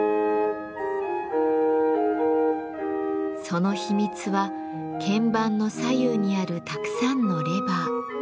その秘密は鍵盤の左右にあるたくさんのレバー。